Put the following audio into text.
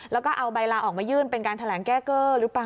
แล้วก็เอาใบลาออกมายื่นเป็นการแถลงแก้เกอร์หรือเปล่า